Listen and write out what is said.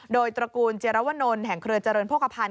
โดยตระกูลเจรวนลแห่งเครือเจริญโภคภัณ